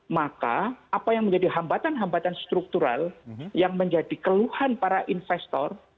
maka apa yang menjadi hambatan hambatan struktural yang menjadi keluhan para investor